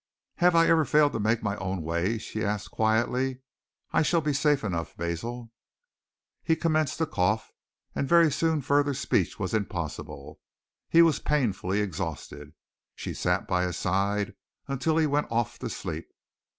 "Have I ever failed to make my own way?" she asked quietly. "I shall be safe enough, Basil." He commenced to cough, and very soon further speech was impossible. He was painfully exhausted. She sat by his side until he went off to sleep.